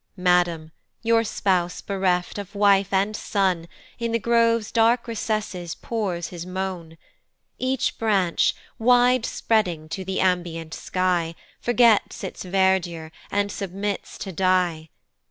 Madam, your spouse bereft of wife and son, In the grove's dark recesses pours his moan; Each branch, wide spreading to the ambient sky, Forgets its verdure, and submits to die.